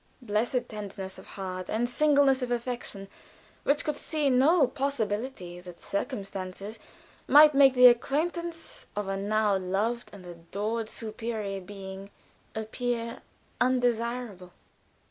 Blessed tenderness of heart and singleness of affection which could see no possibility that circumstances might make the acquaintance of a now loved and adored superior being appear undesirable!